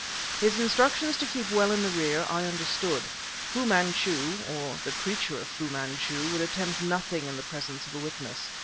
His instructions to keep well in the rear I understood. Fu Manchu, or the creature of Fu Manchu, would attempt nothing in the presence of a witness.